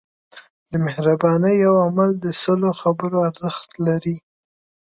د مهربانۍ یو عمل د سلو خبرو ارزښت لري.